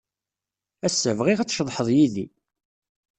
Ass-a, bɣiɣ ad tceḍḥed yid-i.